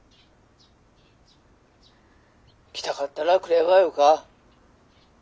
☎来たかったら来ればよか。